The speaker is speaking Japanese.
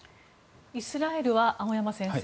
イスラエルは青山先生